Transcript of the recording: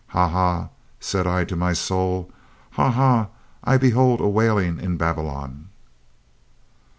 'Ha, ha,' said I to my soul, 'ha, ha.' I behold a wailing in Babylon."